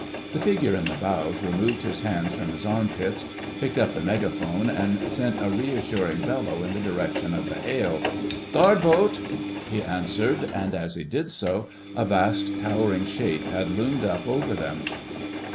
The figure in the bows removed his hands from his arm pits, picked up the megaphone, and sent a reassuring bellow in the direction of the hail. "Guard Boat!" he answered, and as he did so a vast towering shape had loomed up over them.